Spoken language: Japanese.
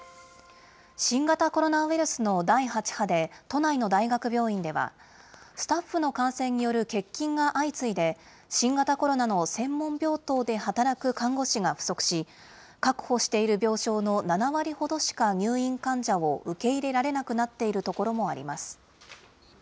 新型コロナウイルスの第８波で、都内の大学病院では、スタッフの感染による欠勤が相次いで、新型コロナの専門病棟で働く看護師が不足し、確保している病床の７割ほどしか入院患者を受け入れられなくなっているところもあります。